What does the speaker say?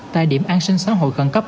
tại điểm an sinh xã hội gần cấp